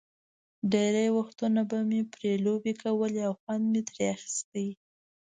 ډېری وختونه به مې پرې لوبې کولې او خوند مې ترې اخیست.